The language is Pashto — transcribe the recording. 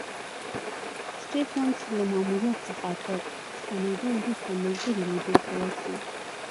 سټېفنس له ماموریت څخه تر ستنېدو وروسته ملګري لیدو ته ورځي.